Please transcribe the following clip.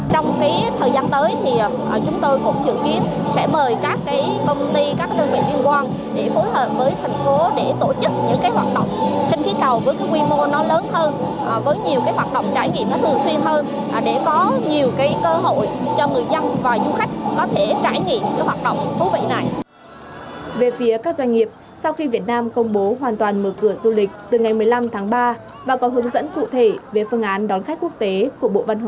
trong thời gian tới thì chúng tôi cũng dự kiến sẽ mời các công ty các đơn vị liên quan để phối hợp với thành phố để tổ chức những hoạt động kinh khí cầu với quy mô lớn hơn